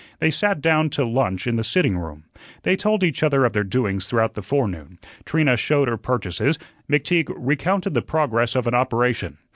They sat down to lunch in the sitting room. They told each other of their doings throughout the forenoon; Trina showed her purchases, McTeague recounted the progress of an operation.